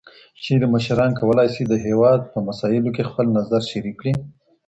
چېري مشران کولای سي د هېواد په مسایلو کي خپل نظر شریک کړي؟